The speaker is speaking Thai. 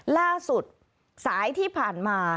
ล่าสุดสายที่ผ่านมา